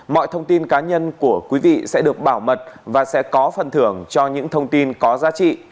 mọi thông tin cá nhân của quý vị sẽ được bảo mật và sẽ có phần thưởng cho những thông tin có giá trị